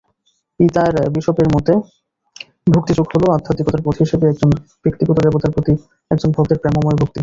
পিতার বিশপের মতে, ভক্তি যোগ হল, আধ্যাত্মিকতার পথ হিসেবে একজন ব্যক্তিগত দেবতার প্রতি একজন ভক্তের প্রেমময় ভক্তি।